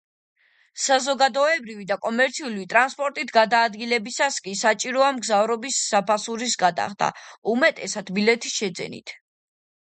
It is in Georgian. საზოგადოებრივი და კომერციული ტრანსპორტით გადაადგილებისას კი საჭიროა მგზავრობის საფასურის გადახდა, უმეტესად ბილეთის შეძენით.